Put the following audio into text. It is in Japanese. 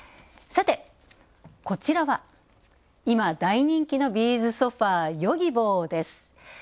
こちらは、今、大人気のビーズソファー、ヨギボーです。